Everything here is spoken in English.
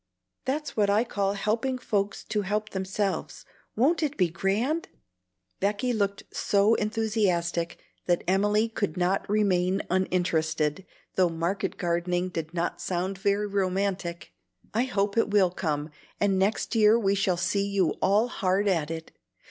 That's what I call helping folks to help themselves. Won't it be grand?" Becky looked so enthusiastic that Emily could not remain uninterested, though market gardening did not sound very romantic. "I hope it will come, and next year we shall see you all hard at it.